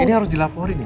ini harus dilaporin ya